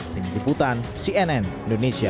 tim diputan cnn indonesia